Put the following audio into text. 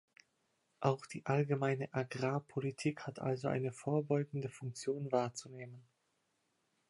Auch die allgemeine Agrarpolitik hat also eine vorbeugende Funktion wahrzunehmen.